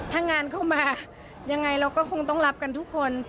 ถ้างานเข้ามายังไงเราก็คงต้องรับกันทุกคน